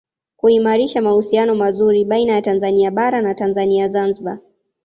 Kuimarisha mahusiano mazuri baina ya Tanzania Bara na Tanzania Zanzibar